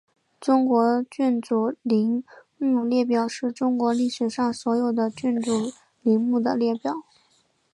中国君主陵墓列表是中国历史上所有的君主陵墓的列表。